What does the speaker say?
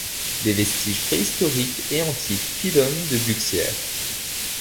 Des vestiges préhistoriques et antiques ppidum de Buxières.